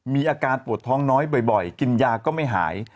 มีอาการปวดท้องน้อยบ่อยกินยาก็ไม่หาย